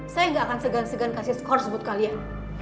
saya gak akan segan segan kasih skors sebut kalian